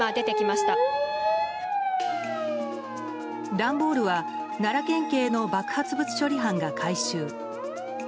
段ボールは奈良県警の爆発物処理班が回収。